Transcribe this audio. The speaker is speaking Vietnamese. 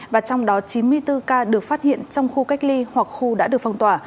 và trong đó chín mươi bốn ca được phát hiện trong khu cách ly hoặc khu đã được phong tỏa